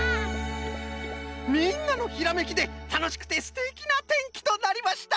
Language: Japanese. みんなのひらめきでたのしくてすてきなてんきとなりました！